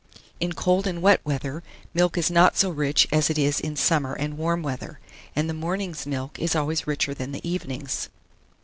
In cold and wet weather, milk is not so rich as it is in summer and warm weather, and the morning's milk is always richer than the evening's.